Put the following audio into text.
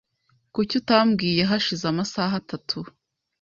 Kuki utambwiye hashize amasaha atatu?